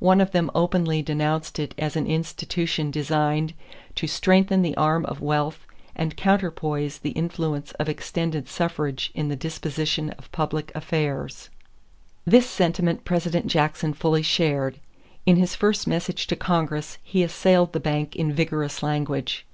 One of them openly denounced it as an institution designed "to strengthen the arm of wealth and counterpoise the influence of extended suffrage in the disposition of public affairs." This sentiment President Jackson fully shared. In his first message to Congress he assailed the bank in vigorous language.